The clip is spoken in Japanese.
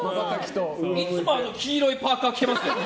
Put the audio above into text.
いつもあの黄色いパーカ着てますよ。